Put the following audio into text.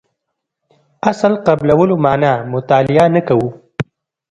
اصل قبلولو معنا مطالعه نه کوو.